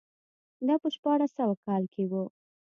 دا په شپاړس سوه کال کې و.